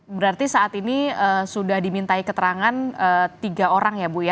berarti saat ini sudah dimintai keterangan tiga orang ya bu ya